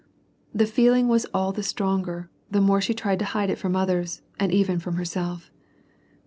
The feeling was all the stronger, the more she tried to hide it from others, and even from herself.